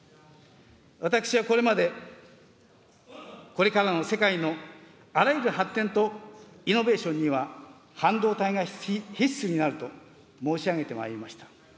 私はこれまで、これからの世界のあらゆる発展とイノベーションには半導体が必須になると申し上げてまいりました。